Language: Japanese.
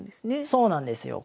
そうなんですよ。